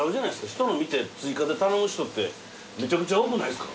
人の見て追加で頼む人ってめちゃくちゃ多くないっすか？